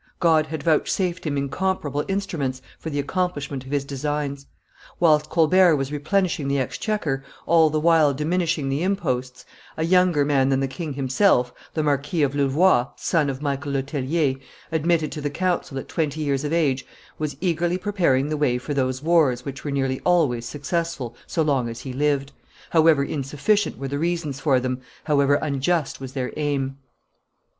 God had vouchsafed him incomparable instruments for the accomplishment of his designs. Whilst Colbert was replenishing the exchequer, all the while diminishing the imposts, a younger man than the king himself, the Marquis of Louvois, son of Michael Le Tellier, admitted to the council at twenty years of age, was eagerly preparing the way for those wars which were nearly always successful so long as he lived, however insufficient were the reasons for them, however unjust was their aim.